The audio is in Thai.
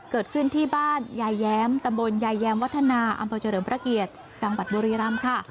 เกิดขึ้นที่บ้านยายแย้มตำบลยายแย้มวัฒนาอำเภอเฉลิมพระเกียรติจังหวัดบุรีรำค่ะ